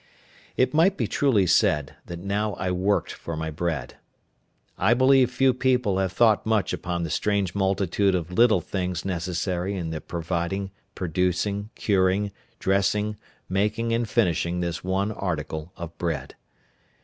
It might be truly said, that now I worked for my bread. I believe few people have thought much upon the strange multitude of little things necessary in the providing, producing, curing, dressing, making, and finishing this one article of bread.